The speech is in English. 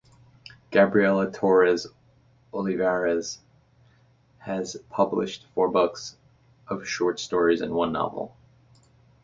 Gabriela Torres Olivares has published four books of short stories and one novel.